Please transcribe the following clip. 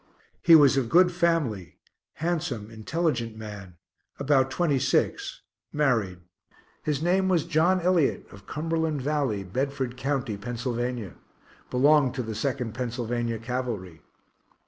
He was of good family handsome, intelligent man, about 26, married; his name was John Elliot, of Cumberland Valley, Bedford co., Penn. belonged to 2nd Pennsylvania Cavalry.